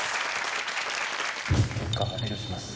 結果発表します。